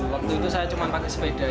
waktu itu saya cuma pakai sepeda